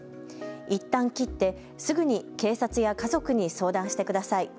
いったん切ってすぐに警察や家族に相談してください。